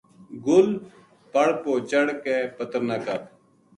گل پَڑ پو چڑھ کے پتر نہ کپ